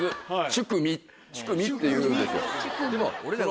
チュクミチュクミっていうんですよ。